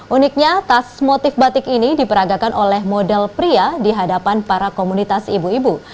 uniknya tas motif batik ini diperagakan oleh model pria di hadapan para komunitas ibu ibu